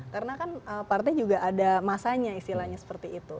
karena kan partai juga ada masanya istilahnya seperti itu